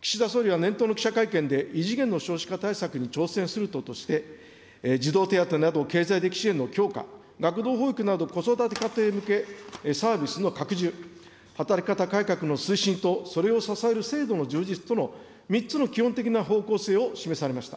岸田総理は年頭の記者会見で、異次元の少子化対策に挑戦するとして、児童手当など、経済的支援の強化、学童保育など子育て家庭向けサービスの拡充、働き方改革の推進とそれを支える制度の充実と、３つの基本的な方向性を示されました。